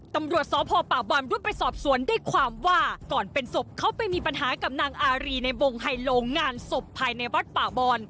ตำรวจสพป่าบอลรุดไปสอบสวนได้ความว่าก่อนเป็นศพเขาไปมีปัญหากับนางอารีในบงไฮโลงงานศพภายในวัดป่าบอน